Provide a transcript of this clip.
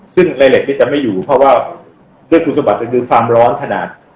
ซึ่งในเหล็กนี้จะไม่อยู่เพราะว่าด้วยคุณสมบัติมันคือความร้อนขนาด